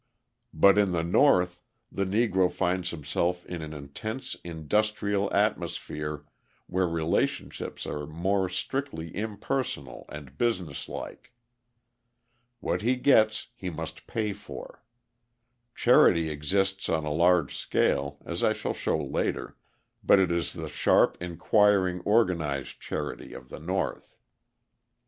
But in the North the Negro finds himself in an intense industrial atmosphere where relationships are more strictly impersonal and businesslike. What he gets he must pay for. Charity exists on a large scale, as I shall show later, but it is the sharp, inquiring, organised charity of the North.